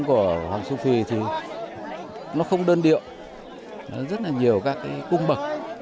ở hoàng su phi thì nó không đơn điệu rất là nhiều các cung bậc